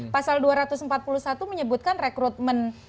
pasal dua ratus empat puluh satu menyebutkan rekrutmen